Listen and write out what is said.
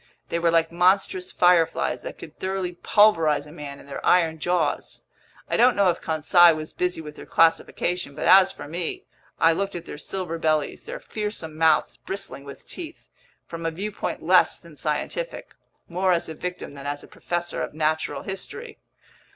They were like monstrous fireflies that could thoroughly pulverize a man in their iron jaws! I don't know if Conseil was busy with their classification, but as for me, I looked at their silver bellies, their fearsome mouths bristling with teeth, from a viewpoint less than scientific—more as a victim than as a professor of natural history.